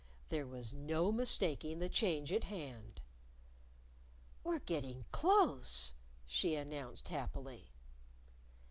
There was no mistaking the change at hand! "We're getting close!" she announced happily.